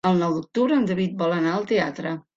El nou d'octubre en David vol anar al teatre.